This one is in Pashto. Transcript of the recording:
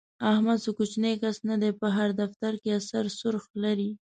احمد څه کوچنی کس نه دی، په هر دفتر کې اثر رسوخ لري.